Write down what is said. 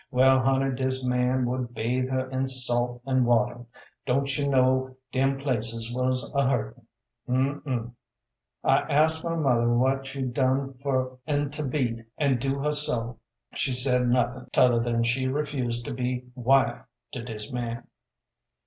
Well honey dis man would bathe her in salt and water. Don't you kno' dem places was a hurtin'. Um, um. I asked mother what she done fer 'en to beat and do her so? She said, nothin', tother than she refused to be wife to dis man.